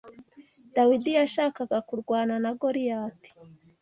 Dawidi yashakaga kurwana na Goliyati